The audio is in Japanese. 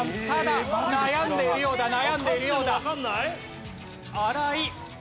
ただ悩んでいるようだ悩んでいるようだ。